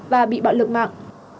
và bị bạo lực mạng